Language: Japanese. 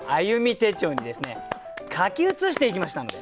手帳にですね書き写していきましたので。